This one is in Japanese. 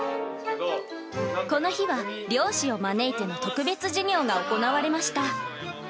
この日は、漁師を招いての特別授業が行われました。